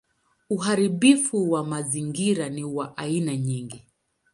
Uharibifu wa mazingira ni wa aina nyingi.